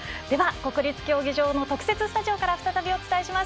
国立競技場の特設スタジオから再びお送りします。